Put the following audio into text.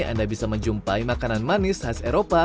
anda bisa menjumpai makanan manis khas eropa